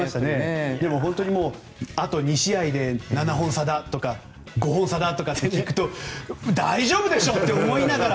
でも、本当にあと２試合で７本差だとか５本差だとかって聞くと大丈夫でしょうって思いながら。